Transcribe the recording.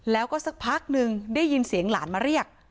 แล้วก็สักพักนึงได้ยินเสียงหลานมาเรียก